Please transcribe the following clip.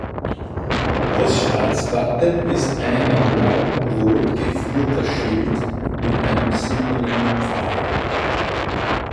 Das Staatswappen ist ein in Blau und Rot gevierter Schild mit einem silbernen Pfahl.